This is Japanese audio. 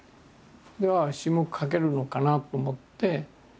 詩も書けるのかなと思って。